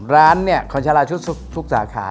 ร้านเนี่ยของชาลาชุดทุกสาขา